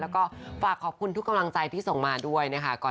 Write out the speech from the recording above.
แล้วก็ฝากขอบคุณทุกกำลังใจที่ส่งมาด้วยนะคะ